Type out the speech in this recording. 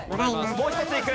もう一ついく。